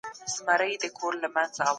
حقوقپوهان څنګه د کارګرانو ساتنه کوي؟